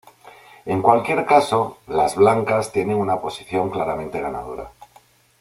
En cualquier caso, las blancas tienen una posición claramente ganadora.